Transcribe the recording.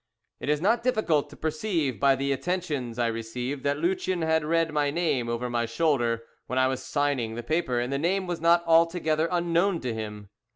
It is not difficult to perceive by the attentions I received that Lucien had read my name over my shoulder when I was signing the paper, and the name was not altogether unknown to him.